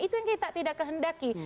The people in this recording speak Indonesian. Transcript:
itu yang kita tidak kehendaki